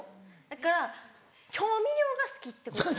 だから調味料が好きってこと。